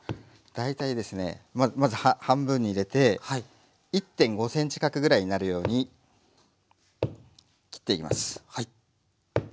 大体ですねまず半分に入れて１．５ｃｍ角ぐらいになるように切っていきます。